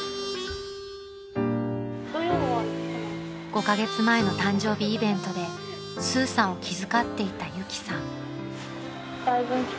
［５カ月前の誕生日イベントでスーさんを気遣っていたユキさん］